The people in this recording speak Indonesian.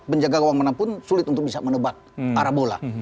penjaga gawang manapun sulit untuk bisa menebak arah bola